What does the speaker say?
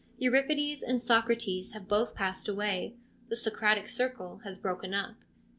Euripides and Socrates have both passed away ; the Socratic Circle has broken up.